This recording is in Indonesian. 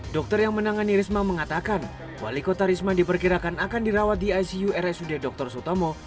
dokter yang menangani risma mengatakan wali kota risma diperkirakan akan dirawat di icu rsud dr sutomo